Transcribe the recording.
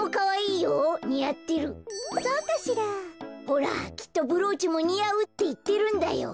ほらきっとブローチもにあうっていってるんだよ。